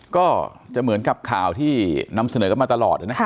ก็จะเหมือนกับข่าวที่นำเสนอกันมาตลอดนะครับ